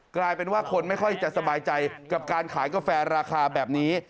กลายเป็นว่าคนไม่ค่อยจะสบายใจกับการขายกาแฟราคาแบบนี้